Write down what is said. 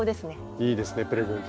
いいですねプレゼント。